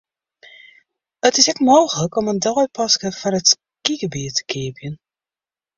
It is ek mooglik om in deipaske foar it skygebiet te keapjen.